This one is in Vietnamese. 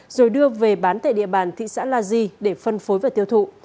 rồi đưa về bán tại địa bàn thị xã la di để phân phối và tiêu thụ